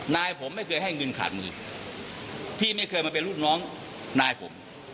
นายผมไม่เคยให้เงินขาดมือพี่ไม่เคยมาเป็นลูกน้องนายผม